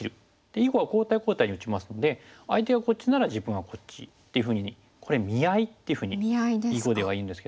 囲碁は交代交代に打ちますので相手がこっちなら自分はこっちっていうふうにこれ「見合い」っていうふうに囲碁ではいうんですけども。